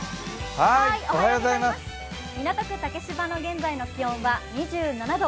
港区竹芝の現在の気温は２７度。